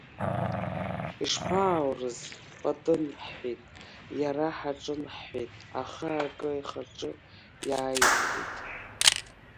Ишԥааурыз, патын, — ҳҳәеит, иара ҳаҿын ҳҳәеит, аха акы ихаҿы иааимгеит.